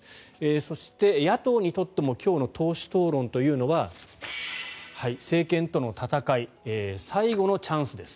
そして、野党にとっても今日の党首討論というのは政権との戦い最後のチャンスです。